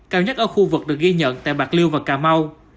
cao nhất ở khu vực được ghi nhận tại bạc liêu và cà mau